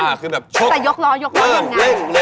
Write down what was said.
อ่าคือแบบชกแต่ยกร้อยังไง